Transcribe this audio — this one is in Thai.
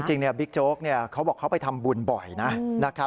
จริงบิ๊กโจ๊กเนี่ยเขาบอกเขาไปทำบุญบ่อยนะ